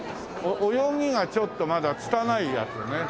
泳ぎがちょっとまだつたないやつね。